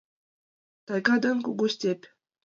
Тайга ден кугу степь.